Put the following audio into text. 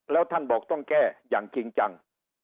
แล้วท่านบอกต้องแก้อย่างจริงจัง